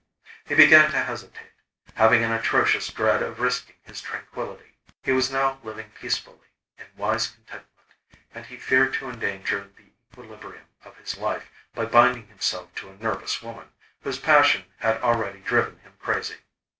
He began to hesitate, having an atrocious dread of risking his tranquillity. He was now living peacefully, in wise contentment, and he feared to endanger the equilibrium of his life, by binding himself to a nervous woman, whose passion had already driven him crazy.